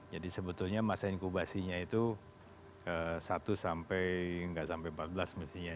jadi sebetulnya masa inkubasinya itu satu sampai gak sampai empat belas mestinya